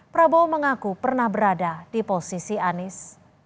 prabowo mengaku pernah berada di posisi anies